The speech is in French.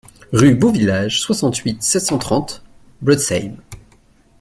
Rue Beau Village, soixante-huit, sept cent trente Blotzheim